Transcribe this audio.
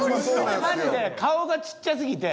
余裕でマジで顔がちっちゃすぎて。